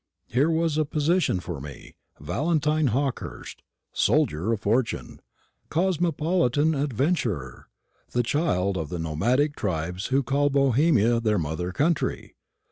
Here was a position for me, Valentine Hawkehurst, soldier of fortune, cosmopolitan adventurer, and child of the nomadic tribes who call Bohemia their mother country!